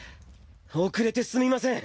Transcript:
遅れてすみません！